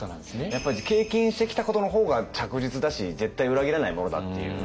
やっぱり経験してきたことの方が着実だし絶対裏切らないものだっていう。